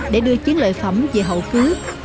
để đưa chiến lợi phẩm về hậu cứu